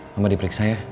mama diperiksa ya